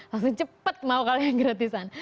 langsung cepet mau kali yang gratisan